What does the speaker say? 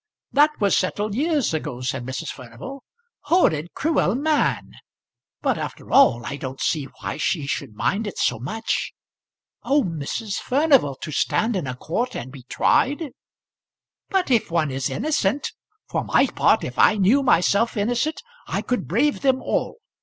"That was settled years ago," said Mrs. Furnival. "Horrid, cruel man! But after all I don't see why she should mind it so much." "Oh, Mrs. Furnival! to stand in a court and be tried." "But if one is innocent! For my part, if I knew myself innocent I could brave them all.